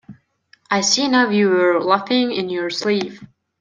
I see now you were laughing in your sleeve.